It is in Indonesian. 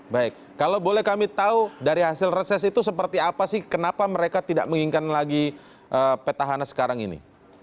baik kalau boleh kami tahu dari hasil reses itu seperti apa sih kenapa mereka tidak menginginkan lagi petahana sekarang ini